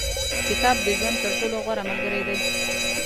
• کتاب، د ژوند تر ټولو غوره ملګری دی.